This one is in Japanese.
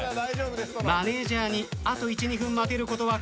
マネジャーにあと１２分待てることは確認済み。